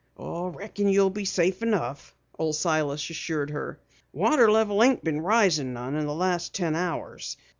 "Reckon you'll be safe enough," Old Silas assured her. "Water level ain't been risin' none in the last ten hours.